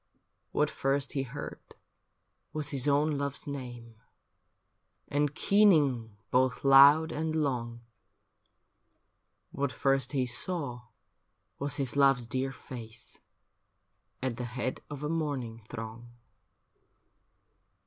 What first he heard was liis own love's name, And keening both loud and long, What first he saw was his love's dear face. At the head of a mourning throng.